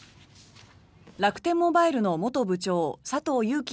楽天モバイルの元部長佐藤友紀